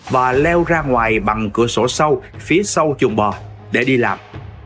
và leo ra ngoài bằng cửa sổ sâu phía sâu chuồng bò để đi làm